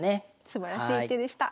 すばらしい手でした。